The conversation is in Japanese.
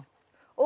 お。